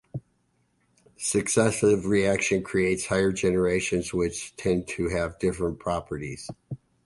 Successive reactions create higher generations, which tend to have different properties.